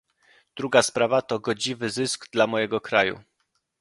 Druga sprawa to "godziwy zysk dla mojego kraju"